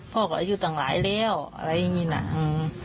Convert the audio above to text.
พ่อก็อายุตั้งหลายแล้วอะไรอย่างงี้น่ะอืม